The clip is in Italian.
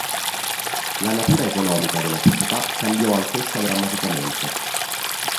La natura economica della società cambiò anch'essa drammaticamente.